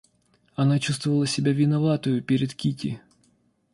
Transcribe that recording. Она чувствовала себя виноватою пред Кити.